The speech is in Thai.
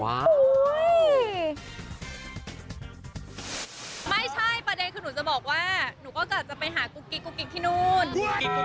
ไม่ใช่ประเด็นคือหนูจะบอกว่าหนูก็กลับจะไปหากุ๊กกิ๊กที่นู่น